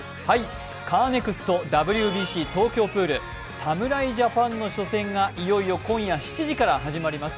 カーネクストＷＢＣ東京プール侍ジャパンの初戦がいよいよ今夜７時から始まります。